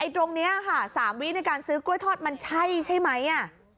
ตรงนี้ค่ะ๓วิในการซื้อกล้วยทอดมันใช่ใช่ไหม